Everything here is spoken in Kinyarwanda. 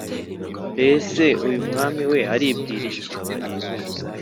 “mbese uyu mwami we aribwira iki?